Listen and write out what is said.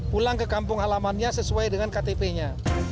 pulang ke kampung halamannya sesuai dengan ktp nya